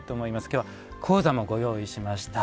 きょうは高座もご用意しました。